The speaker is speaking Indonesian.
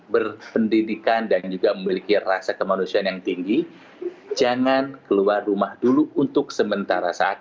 berpendidikan dan juga memiliki rasa kemanusiaan yang tinggi jangan keluar rumah dulu untuk sementara saat